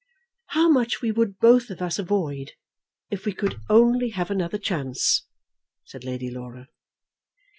"How much we would both of us avoid if we could only have another chance!" said Lady Laura.